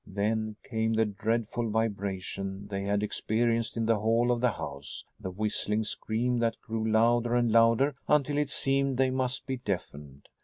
Then came the dreadful vibration they had experienced in the hall of the house the whistling scream that grew louder and louder until it seemed they must be deafened.